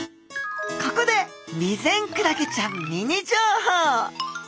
ここでビゼンクラゲちゃんミニ情報！